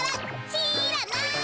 しらない。